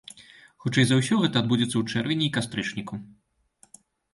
Хутчэй за ўсё гэта адбудзецца ў чэрвені і кастрычніку.